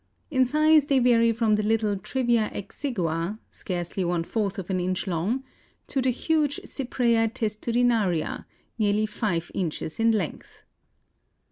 In size they vary from the little Trivia exigua, scarcely one fourth of an inch long, to the huge Cypraea testudinaria, nearly five inches in length.